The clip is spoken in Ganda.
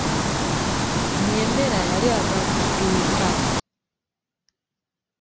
Nyemera yali ava ku dduuka .